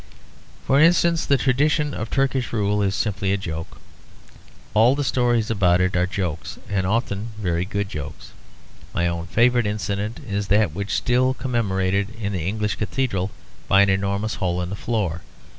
For instance, the tradition of Turkish rule is simply a joke. All the stories about it are jokes, and often very good jokes. My own favourite incident is that which is still commemorated in the English cathedral by an enormous hole in the floor.